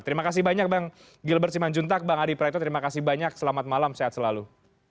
terima kasih banyak bang gilbert simanjuntak bang adi praetno terima kasih banyak selamat malam sehat selalu